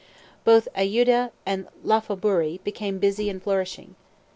Both Ayudia and Lophaburee became busy and flourishing.